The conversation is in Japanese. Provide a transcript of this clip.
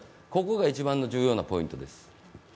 ここが一番の重要なポイントです。